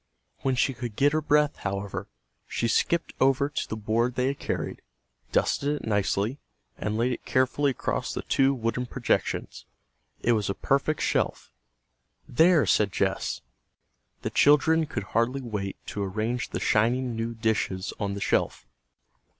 When she could get her breath, however, she skipped over to the board they had carried, dusted it nicely, and laid it carefully across the two wooden projections. It was a perfect shelf. "There!" said Jess. The children could hardly wait to arrange the shining new dishes on the shelf.